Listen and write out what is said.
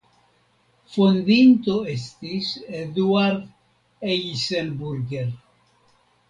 Fondinto estis Eduard Eisenburger.